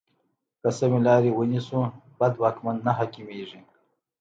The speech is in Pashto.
که سمې لارې ونیسو، بد واکمن نه حاکمېږي.